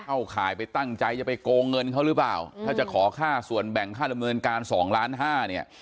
ข่ายไปตั้งใจจะไปโกงเงินเขาหรือเปล่าถ้าจะขอค่าส่วนแบ่งค่าดำเนินการสองล้านห้าเนี่ย